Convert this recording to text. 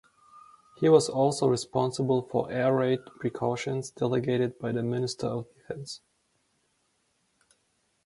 He was also responsible for air raid precautions, delegated by the Minister for Defence.